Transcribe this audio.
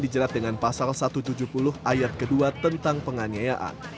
dijerat dengan pasal satu ratus tujuh puluh ayat kedua tentang penganiayaan